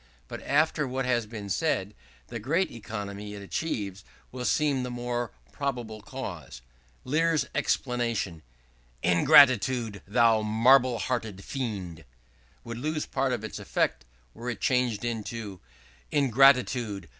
But after what has been said, the great economy it achieves will seem the more probable cause. Lear's exclamation "Ingratitude! thou marble hearted fiend," would lose part of its effect were it changed into "Ingratitude!